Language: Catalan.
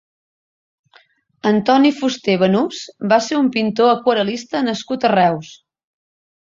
Antoni Fuster Banús va ser un pintor aquarel·lista nascut a Reus.